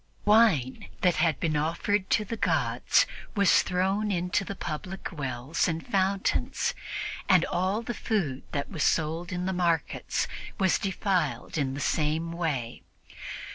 Wine that had been offered to the gods was thrown into the public wells and fountains, and all the food that was sold in the markets was defiled in the same way.